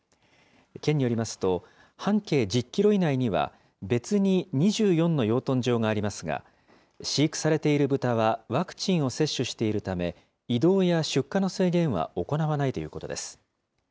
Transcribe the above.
県によりますと、半径１０キロ以内には別に２４の養豚場がありますが、飼育されているブタはワクチンを接種しているため、移動や出荷の制限は行わないということです。